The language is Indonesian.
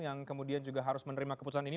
yang kemudian juga harus menerima keputusan ini